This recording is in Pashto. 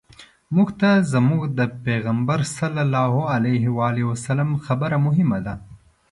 موږ ته زموږ د پیغمبر صلی الله علیه وسلم خبره مهمه ده.